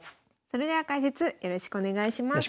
それでは解説よろしくお願いします。